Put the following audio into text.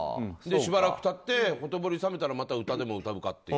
しばらく経ってほとぼり覚めたら歌でも歌うかって。